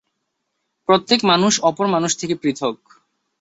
প্রত্যেক মানুষ অপর মানুষ থেকে পৃথক্।